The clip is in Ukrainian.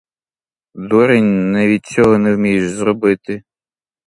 Дурень, навіть цього не вмієш зробити.